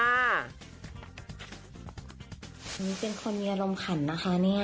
อันนี้เป็นคนมีอารมณ์ขันนะคะเนี่ย